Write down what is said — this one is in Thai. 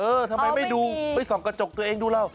เออทำไมไม่ดูไปส่องกระจกตัวเองดูแล้ว